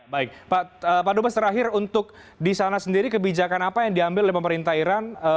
baik pak dubes terakhir untuk di sana sendiri kebijakan apa yang diambil oleh pemerintah iran